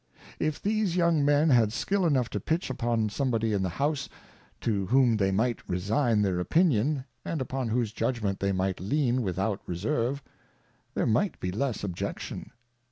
If these Young Men had skill enough to pitch upon somebody in the House, to whom they might resign their Opinion, and upon whose Judgment they might lean without Reserve, there might be less Objection.